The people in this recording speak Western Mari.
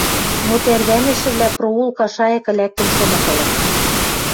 Но тӓрвӓнӹшӹвлӓ проулка шайыкы лӓктӹн шоныт ылын.